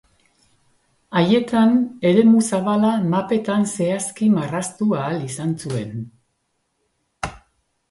Haietan, eremu zabala mapetan zehazki marraztu ahal izan zuen.